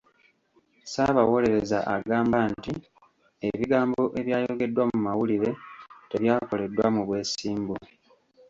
Ssaabawolereza agamba nti ebigambo ebyayogeddwa mu mawulire tebyakoleddwa mu bwesimbu.